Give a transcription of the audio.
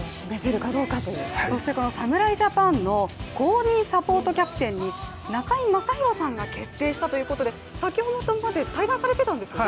侍ジャパンの公認サポートキャプテンに中居正広さんが決定したということで先ほどまで対談されていたんですよね。